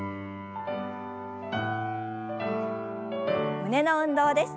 胸の運動です。